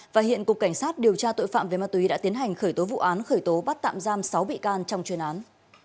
và hiện cục cảnh sát điều tra tội phạm về ma túy đã tiến hành khởi tố vụ án khởi tố bắt tạm giam sáu bị can trong chuyên án